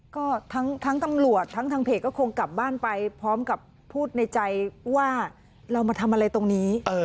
ก็ทั้งตำรวจทั้งทางเพจก็คงกลับบ้านไปพร้อมกับพูดในใจว่าเรามาทำอะไรตรงนี้